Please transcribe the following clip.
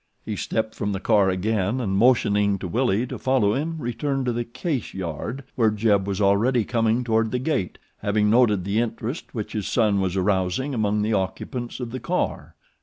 He stepped from the car again and motioning to Willie to follow him returned to the Case yard where Jeb was already coming toward the gate, having noted the interest which his son was arousing among the occupants of the car.